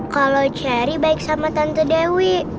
kalau cari baik sama tante dewi